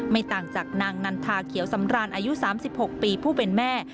ต่างจากนางนันทาเขียวสำราญอายุ๓๖ปีผู้เป็นแม่